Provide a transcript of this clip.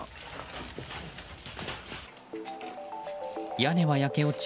屋根は焼け落ち